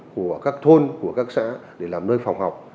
của các thôn của các xã để làm nơi phòng học